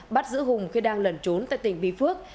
bắt giữ hùng khi đang lẩn trốn tại tỉnh bình phước